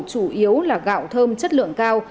chủ yếu là gạo thơm chất lượng cao